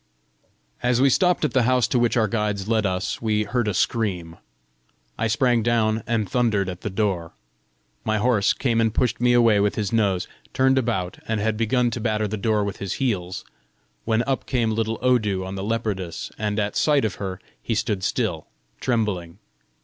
As we stopped at the house to which our guides led us, we heard a scream; I sprang down, and thundered at the door. My horse came and pushed me away with his nose, turned about, and had begun to batter the door with his heels, when up came little Odu on the leopardess, and at sight of her he stood still, trembling.